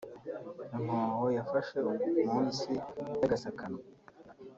inkoho yafashe munsi y'agasakanwa